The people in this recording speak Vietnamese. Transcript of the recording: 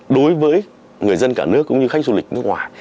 đối với người dân cả nước cũng như khách du lịch nước ngoài